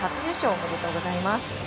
おめでとうございます。